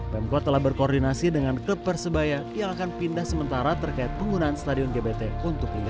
pemkot telah berkoordinasi dengan klub persebaya yang akan pindah sementara terkait penggunaan stadion gbt untuk liga satu